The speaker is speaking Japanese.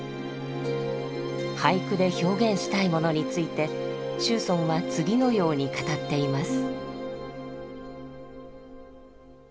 俳句で表現したいものについて楸邨は次のように語っています。